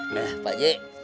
nah pak j